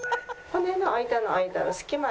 骨の間の間隙間。